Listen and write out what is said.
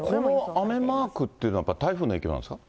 この雨マークってやっぱり台風の影響なんですか。